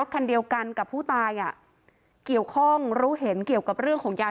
คันเดียวกันกับผู้ตายอ่ะเกี่ยวข้องรู้เห็นเกี่ยวกับเรื่องของยา